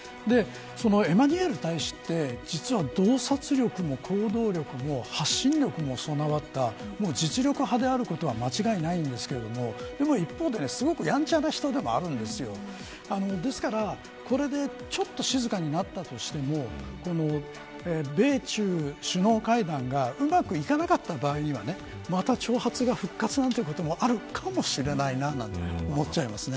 エマニュエル大使って、実は洞察力も行動力も発信力も備わった実力派であることは間違いないんですけど一方で、すごくやんちゃな人でもあるんです。ですから、これでちょっと静かになったとしても米中首脳会談がうまくいかなかった場合にはまた挑発が復活するなんてこともあるかもしれないなと思っちゃいますね。